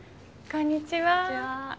こんにちは。